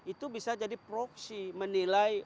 itu bisa jadi proksi menilai